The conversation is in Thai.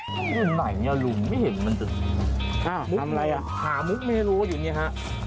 นี่ไหนเนี่ยลุมไม่เห็นมันทำอะไรอะหามุ๊กไม่รู้อยู่นี่ฮะ